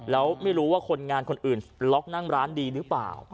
แล้วไม่รู้ว่าคนงานคนอื่นล็อกนั่งร้านดีหรือเปล่า